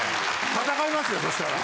戦いますよそしたら。